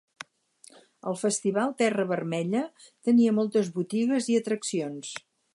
El Festival Terra Vermella tenia moltes botigues i atraccions.